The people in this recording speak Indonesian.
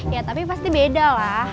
ya tapi pasti beda lah